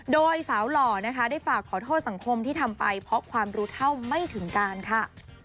โดยสาวหล่อนะคะได้ฝากขอโทษสังคมที่ทำไปเพราะความรู้เท่าไม่ถึงการค่ะ